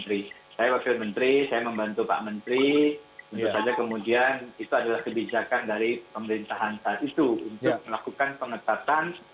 dengan undang undang pemasyarakatan